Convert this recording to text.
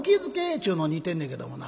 っちゅうのに行ってんねんけどもな。